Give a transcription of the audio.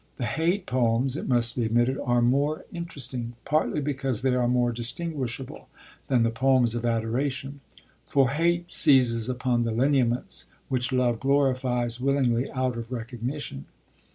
The hate poems, it must be admitted, are more interesting, partly because they are more distinguishable, than the poems of adoration; for hate seizes upon the lineaments which love glorifies willingly out of recognition.